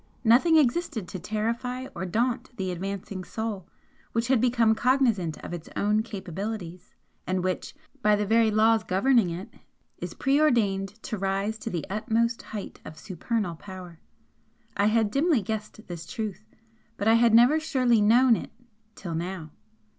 Nothing existed to terrify or daunt the advancing Soul which had become cognisant of its own capabilities, and which, by the very laws governing it, is preordained to rise to the utmost height of supernal power. I had dimly guessed this truth but I had never surely known it till now.